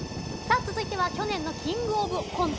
続いては去年の「キングオブコント」